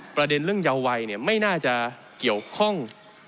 ประเด็นเรื่องเยาวัยไม่น่าจะเกี่ยวข้อง